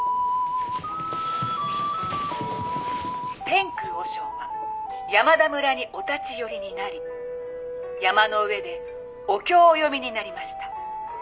「天空和尚は山田村にお立ち寄りになり山の上でお経をお読みになりました」